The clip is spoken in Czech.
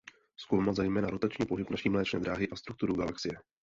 Zkoumal zejména rotační pohyb naší Mléčné dráhy a strukturu galaxie.